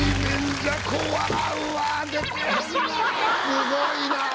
すごいなぁ。